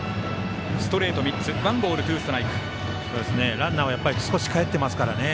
ランナーはやっぱり少しかえっていますからね。